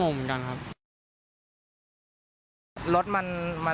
ใช่พี่ผมก็งงเหมือนกันครับ